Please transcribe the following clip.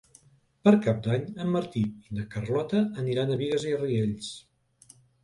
Per Cap d'Any en Martí i na Carlota aniran a Bigues i Riells.